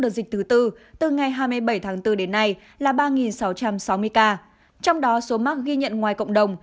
đợt dịch thứ tư từ ngày hai mươi bảy tháng bốn đến nay là ba sáu trăm sáu mươi ca trong đó số mắc ghi nhận ngoài cộng đồng